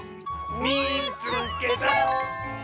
「みいつけた！」。